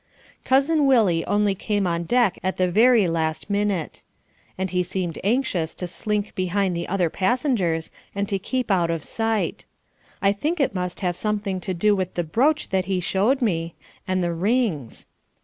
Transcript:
Cousin Willie only came on deck at the very last minute, and he seemed anxious to slink behind the other passengers and to keep out of sight. I think it must have something to do with the brooch that he showed me, and the rings.